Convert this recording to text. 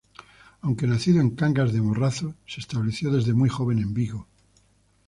Aunque nacido en Cangas de Morrazo se estableció desde muy joven en Vigo.